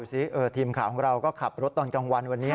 สิทีมข่าวของเราก็ขับรถตอนกลางวันวันนี้